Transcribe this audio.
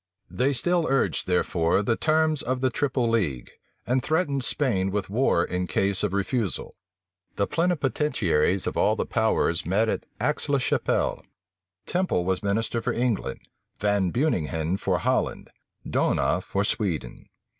They still urged, therefore, the terms of the triple league, and threatened Spain with war in case of refusal. The plenipotentiaries of all the powers met at Aix la Chapelle. Temple was minister for England; Van Beuninghen for Holland; D'Ohna for Sweden.